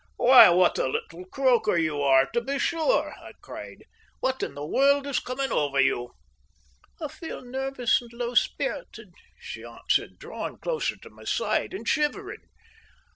"Why, what a little croaker you are, to be sure!" I cried. "What in the world is coming over you?" "I feel nervous and low spirited," she answered, drawing closer to my side and shivering.